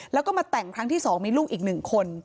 แล้วก็มาแต่งครั้งที่๒มีลูกอีก๑คน